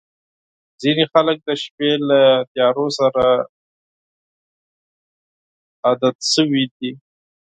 • ځینې خلک د شپې له تیارو سره عادت شوي.